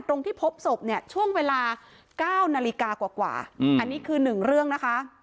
ตรงที่พบศพเนี่ยช่วงเวลา๙นาฬิกากว่าอันนี้คือ๑เรื่องนะคะ